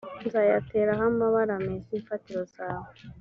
nzayateraho amabara meza imfatiro zawe